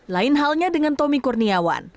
lain halnya dengan tommy kurniawan